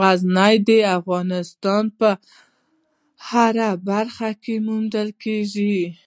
غزني د افغانستان په هره برخه کې موندل کېږي.